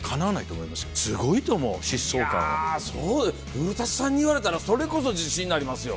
古さんに言われたらそれこそ自信になりますよ。